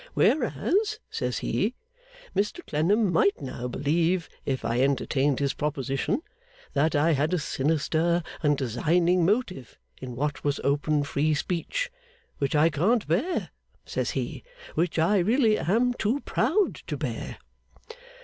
"Whereas," says he, "Mr Clennam might now believe, if I entertained his proposition, that I had a sinister and designing motive in what was open free speech. Which I can't bear," says he, "which I really am too proud to bear."